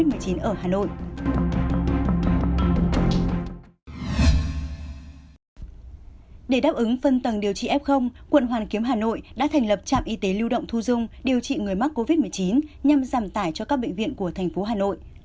để đáp ứng phân tầng điều trị f quận hoàn kiếm hà nội đã thành lập trạm y tế lưu động thu dung điều trị người mắc covid một mươi chín nhằm giảm tải cho các bệnh viện của thành phố hà nội